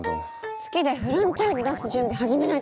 月でフランチャイズ出す準備始めないとです！